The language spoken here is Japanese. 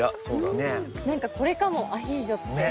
なんかこれかもアヒージョって。